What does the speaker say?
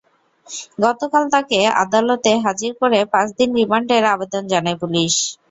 গতকাল তাঁকে আদালতে হাজির করে পাঁচ দিন রিমান্ডের আবেদন জানায় পুলিশ।